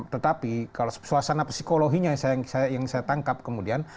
tetapi kalau suasana psikologinya yang saya tangkap kemudian